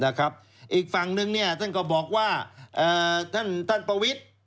นะครับอีกฝั่งหนึ่งเนี่ยท่านก็บอกว่าเอ่อท่านท่านประวิทย์